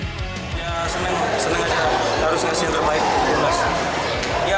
ya seneng seneng aja harusnya sindang baik